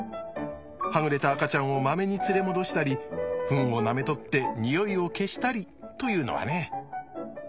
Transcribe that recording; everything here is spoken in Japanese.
はぐれた赤ちゃんをまめに連れ戻したりフンをなめとってニオイを消したりというのはね。